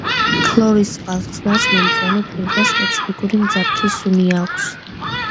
ქლორის წყალხსნარს მომწვანო ფერი და სპეციფიკური მძაფრი სუნი აქვს.